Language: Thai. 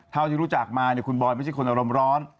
เท่าที่รู้จักมาเนี่ยคุณบอยไม่ใช่คนอารมณ์ร้อน